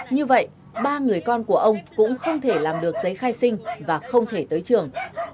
như vậy ba người con của ông cũng không thể làm được giấy khai sinh và không thể tới trường